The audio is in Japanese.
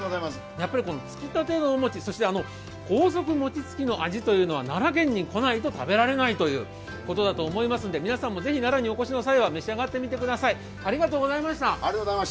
つきたてのお餅、そして高速餅つきのお餅は奈良県に来ないと食べられないということだと思いますので皆さんも、ぜひ奈良にお越しの際は召し上がってみてください。